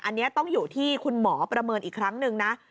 อันนี้ต้องอยู่ที่คุณหมอประเมินอีกครั้งหนึ่งนะ